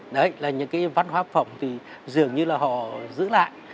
đấy là những cái văn hóa phẩm thì dường như là họ giữ lại